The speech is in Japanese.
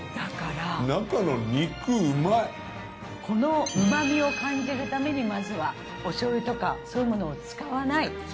この旨みを感じるためにまずはお醤油とかそういうものを使わない。